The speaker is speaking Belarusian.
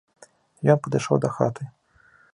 Ён падышоў да хаты.